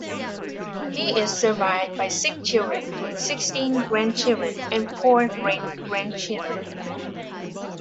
He is survived by six children, sixteen grandchildren and four great grandchildren.